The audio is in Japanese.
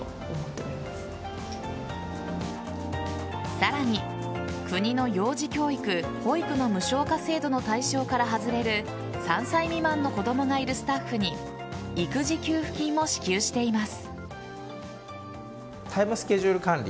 さらに、国の幼児教育・保育の無償化制度の対象から外れる３歳未満の子供がいるスタッフに育児給付金も支給しています。